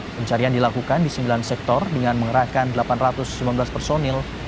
pencarian dilakukan di sembilan sektor dengan mengerahkan delapan ratus lima belas personil